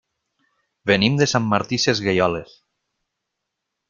Venim de Sant Martí Sesgueioles.